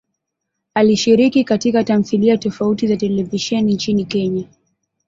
Alishiriki katika tamthilia tofauti za televisheni nchini Kenya.